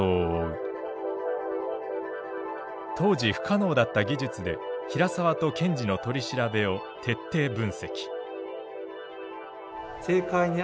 当時不可能だった技術で平沢と検事の取り調べを徹底分析。